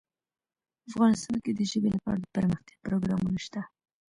افغانستان کې د ژبې لپاره دپرمختیا پروګرامونه شته.